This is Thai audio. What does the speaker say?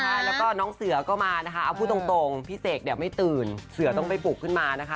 ใช่แล้วก็น้องเสือก็มานะคะเอาพูดตรงพี่เสกเนี่ยไม่ตื่นเสือต้องไปปลุกขึ้นมานะคะ